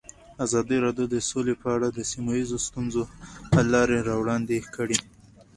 ازادي راډیو د سوله په اړه د سیمه ییزو ستونزو حل لارې راوړاندې کړې.